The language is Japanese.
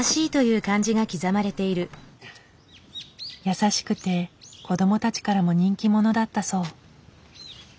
優しくて子供たちからも人気者だったそう。